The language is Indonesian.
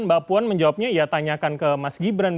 mbak puan menjawabnya ya tanyakan ke mas gibran